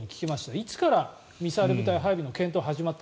いつからミサイル部隊配備の検討が始まった？